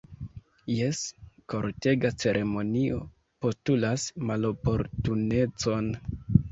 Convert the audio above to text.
Jes, kortega ceremonio postulas maloportunecon!